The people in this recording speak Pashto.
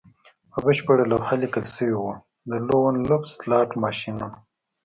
په بشپړه لوحه لیکل شوي وو د لون وولف سلاټ ماشینونه